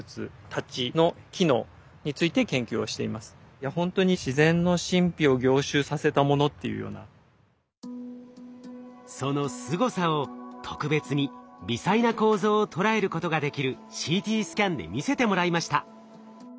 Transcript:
僕はこのそのすごさを特別に微細な構造を捉えることができるＣＴスキャンで見せてもらいました。